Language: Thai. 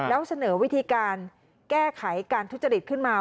แล้วเสนอวิธีการแก้ไขการทุจริตขึ้นมา